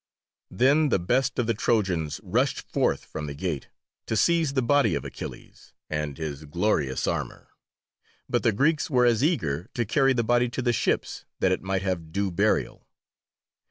Then the best of the Trojans rushed forth from the gate to seize the body of Achilles, and his glorious armour, but the Greeks were as eager to carry the body to the ships that it might have due burial.